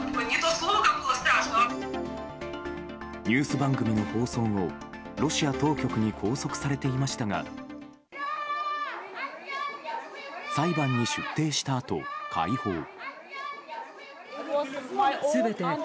ニュース番組の放送後ロシア当局に拘束されていましたが裁判に出廷したあと、解放。